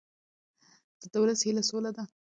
د ولس هیله سوله ده